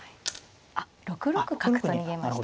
あっ６六角と逃げました。